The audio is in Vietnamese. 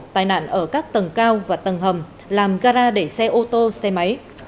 tài nạn ở các tầng cao và tầng hầm làm gara để xe ô tô xe máy